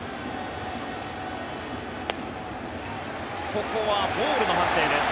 ここはボールの判定です。